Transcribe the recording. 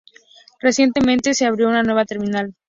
Recientemente se abrió una nueva terminal.